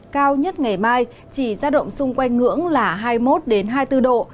cao nhất ngày mai chỉ ra động xung quanh ngưỡng là hai mươi một hai mươi bốn độ